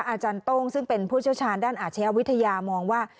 อาจารย์โต้งซึ่งเป็นผู้เชี่ยวชาญด้านอาชญาวิทยามองว่า